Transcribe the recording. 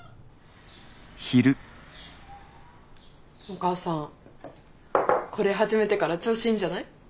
お母さんこれ始めてから調子いいんじゃない？